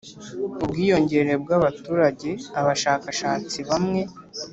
Ubwiyongere bw abaturage abashakashatsi bamwe